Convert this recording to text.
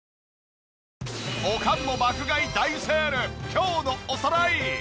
今日のおさらい。